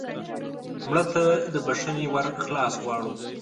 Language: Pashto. مړه ته د بښنې ور خلاص غواړو